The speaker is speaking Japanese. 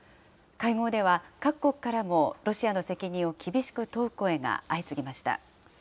会合では各国からもロシアの責任を厳しく問う声が相次ぎました。